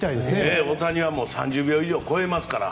大谷は３０秒以上超えますから。